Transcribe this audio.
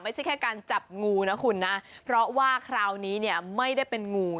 ไม่ใช่แค่การจับงูนะคุณนะเพราะว่าคราวนี้เนี่ยไม่ได้เป็นงู